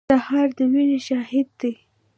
سهار د مینې شاهد دی.